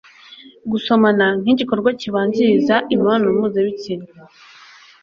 Gusomana, nk'igikorwa kibanziriza imibonanomuzabitsina,